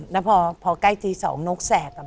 แล้วพอใกล้ที่สองนกแสกอ่ะ